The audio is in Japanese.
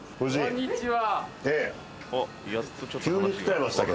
こんにちは。